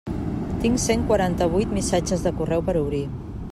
Tinc cent quaranta-vuit missatges de correu per obrir.